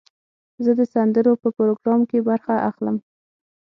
زه د سندرو په پروګرام کې برخه اخلم.